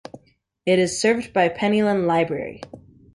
It is served by Penylan Library.